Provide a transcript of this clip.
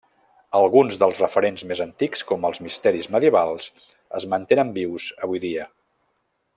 Alguns dels referents més antics, com els misteris medievals, es mantenen vius avui dia.